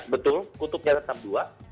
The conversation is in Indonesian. betul kutubnya tetap dua